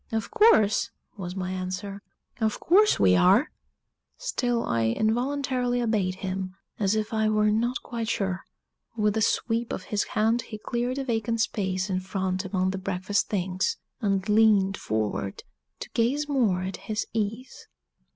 "Of course," was my answer, "of course we are!" Still I involuntarily obeyed him, as if I were not quite sure. With a sweep of his hand he cleared a vacant space in front among the breakfast things, and leaned forward to gaze more at his ease.